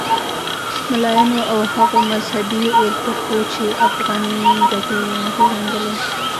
ملایانو او هغو مذهبي اورپکو چې افغاني ګټې یې نه پېژندلې.